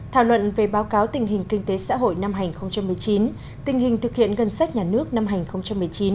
thảo luận về báo cáo tình hình kinh tế xã hội năm hành một mươi chín tình hình thực hiện ngân sách nhà nước năm hành một mươi chín